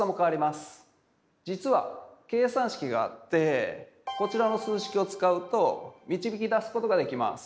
実はこちらの数式を使うと導き出すことができます。